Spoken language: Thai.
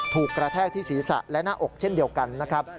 กระแทกที่ศีรษะและหน้าอกเช่นเดียวกันนะครับ